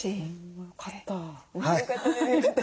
よかった。